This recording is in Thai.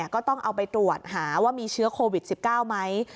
ก็ต้องเอาไปตรวจหาว่ามีเชื้อโควิด๑๙ไหม